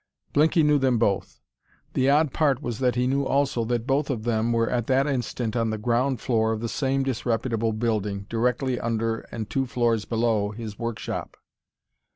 Blinky knew them both. The odd part was that he knew also that both of them were at that instant on the ground floor of the same disreputable building, directly under and two floors below his workshop.